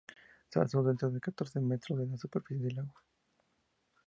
Se alza dentro de catorce metros de la superficie del agua.